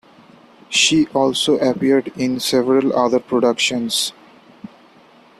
She also appeared in several other productions.